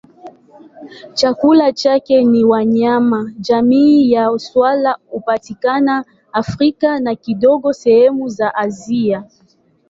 Chakula chake ni wanyama jamii ya swala hupatikana Afrika na kidogo sehemu za Asia.